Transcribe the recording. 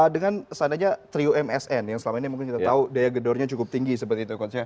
dengan seandainya trio msn yang selama ini mungkin kita tahu daya gedornya cukup tinggi seperti itu coach